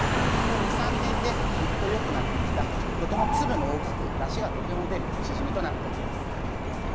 ここ２３年でグッとよくなってきたとても粒の大きくだしがとても出るシジミとなっています。